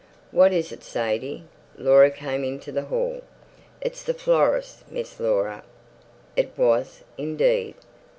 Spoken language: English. "What is it, Sadie?" Laura came into the hall. "It's the florist, Miss Laura." It was, indeed.